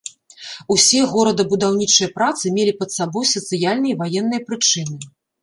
Усе горадабудаўнічыя працы мелі пад сабой сацыяльныя і ваенныя прычыны.